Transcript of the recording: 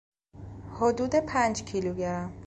حدود پنج کیلوگرم